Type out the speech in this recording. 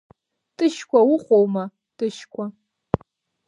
Тышькәа уҟоума, Тышькәа?